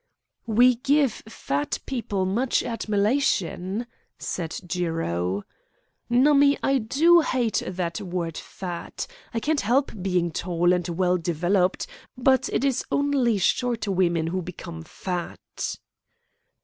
"We give fat people much admilation," said Jiro. "Nummie, I do hate that word fat. I can't help being tall and well developed; but it is only short women who become 'fat'."